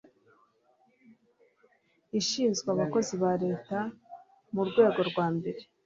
ishinzwe abakozi ba leta mu rwego rwa mbere